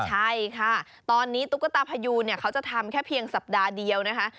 ใช่ค่ะตอนนี้ตุ๊กตาพยูนเขาจะทำแค่เพียงสัปดาห์เดียวนะคะ